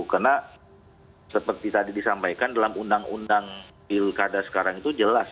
karena seperti tadi disampaikan dalam undang undang pilkada sekarang itu jelas